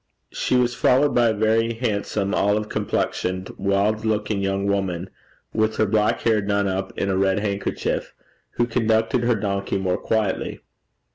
She was followed by a very handsome, olive complexioned, wild looking young woman, with her black hair done up in a red handkerchief, who conducted her donkey more quietly.